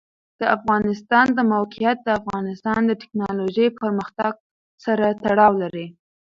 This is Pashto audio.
د افغانستان د موقعیت د افغانستان د تکنالوژۍ پرمختګ سره تړاو لري.